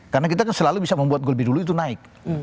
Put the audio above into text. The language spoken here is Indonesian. karena kita selalu bisa membuat gol lebih dulu itu naik